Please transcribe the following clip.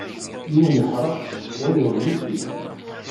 Yiwen iḥṛec, wayeḍ yuki.